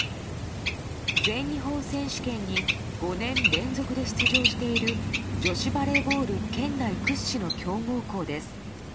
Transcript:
全日本選手権に５年連続で出場している女子バレーボール県内屈指の強豪校です。